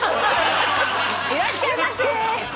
いらっしゃいませ。